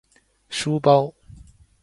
书包